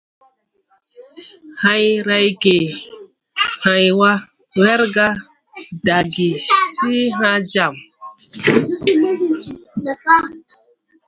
Hay rayge hãy wa, wɛrga daʼge se hãã jam.